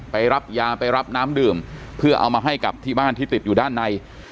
ไปรับยาไปรับน้ำดื่มเพื่อเอามาให้กับที่บ้านที่ติดอยู่ด้านใน